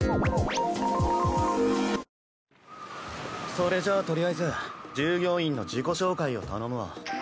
それじゃあとりあえず従業員の自己紹介を頼むわ。